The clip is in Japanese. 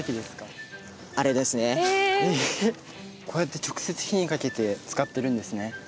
こうやって直接火にかけて使ってるんですね。